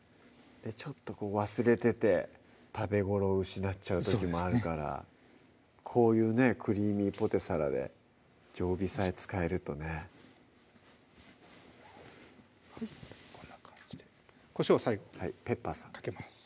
ちょっと忘れてて食べ頃を失っちゃう時もあるからこういうね「クリーミーポテサラ」で常備菜使えるとねはいこんな感じでこしょう最後ペッパーさん